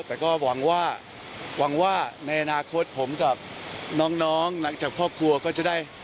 แต่ก็หวังว่าหวังว่าในอนาคตผมกับน้องหลังจากพ่อครัวก็จะได้